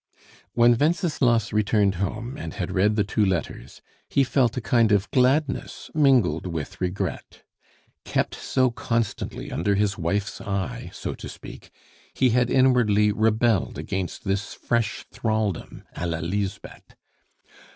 When Wenceslas returned home and had read the two letters, he felt a kind of gladness mingled with regret. Kept so constantly under his wife's eye, so to speak, he had inwardly rebelled against this fresh thraldom, a la Lisbeth.